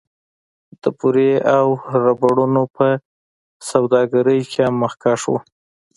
د بورې او ربړونو په سوداګرۍ کې هم مخکښ و